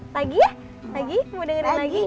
lagi ya lagi mau dengerin lagi